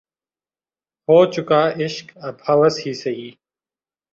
ہو چکا عشق اب ہوس ہی سہی